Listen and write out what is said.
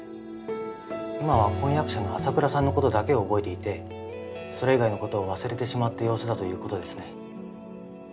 今は婚約者の麻倉さんのことだけを覚えていてそれ以外の事を忘れてしまった様子だということですね。